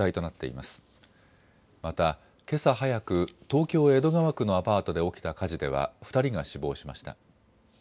また、けさ早く、東京江戸川区のアパートで起きた火事では２人が死亡しました。